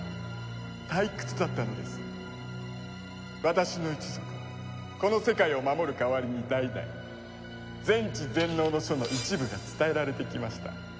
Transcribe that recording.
私の一族はこの世界を守る代わりに代々全知全能の書の一部が伝えられてきました。